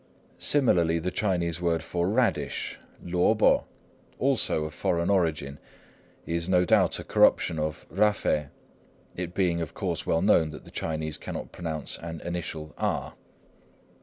Similarly, the Chinese word for "radish," 蘿蔔 lo po, also of foreign origin, is no doubt a corruption of ῥάφη, it being of course well known that the Chinese cannot pronounce an initial r.